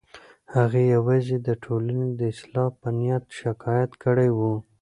هغې یوازې د ټولنې د اصلاح په نیت شکایت کړی و.